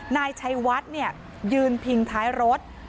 นายชัยวัดยืนพิงท้ายรถ